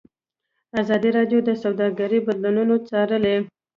ازادي راډیو د سوداګري بدلونونه څارلي.